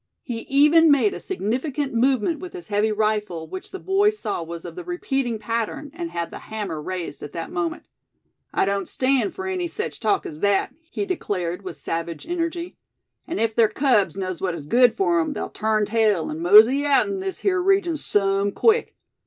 He even made a significant movement with his heavy rifle, which the boy saw was of the repeating pattern, and had the hammer raised at that moment. "I doan't stand for any sech talk ez that," he declared, with savage energy; "an' ef ther cubs knows what is good fur 'em, they'll turn tail, an' mosey outen this here region some quick.